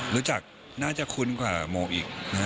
รู้จักน่าจะคุ้นกว่าโมอีกนะฮะ